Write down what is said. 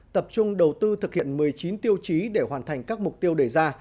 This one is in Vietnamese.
tập trung đầu tư thực hiện một mươi chín tiêu chí để hoàn thành các mục tiêu đề ra